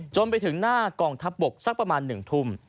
จนไปถึงหน้ากองทัพบกสักประมาณ๑ทุ่ม